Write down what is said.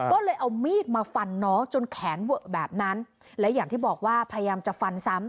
ก็เลยเอามีดมาฟันน้องจนแขนเวอะแบบนั้นและอย่างที่บอกว่าพยายามจะฟันซ้ำ